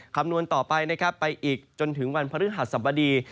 คำนวณต่อไปไปอีกจนถึงวันพฤหัสบดี